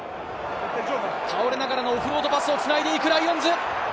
倒れながらのオフロードパスをつないでいくライオンズ。